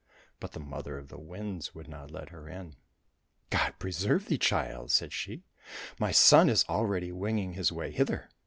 But the Mother of the Winds would not let her in. " God preserve thee, child !" said she. " My son is already winging his way hither.